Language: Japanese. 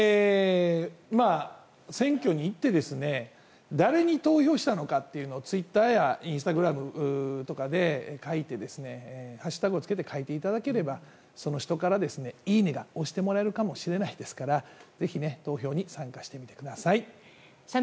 選挙に行って誰に投票したのかというのをツイッターやインスタグラムとかでハッシュタグをつけて書いていただけたらその人から、いいねが押してもらえるかもしれないですからぜひ投票に参加してみてください。